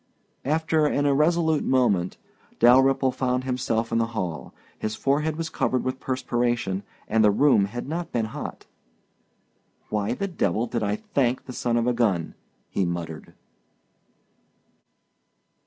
After an irresolute moment, Dalyrimple found himself in the hall. His forehead was covered with perspiration, and the room had not been hot. "Why the devil did I thank the son of a gun?" he muttered.